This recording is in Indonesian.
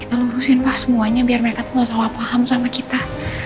kita lurusin pak semuanya biar mereka tuh gak salah paham sama kita